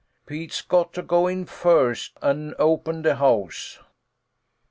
Pete's got to go in first an' open de house."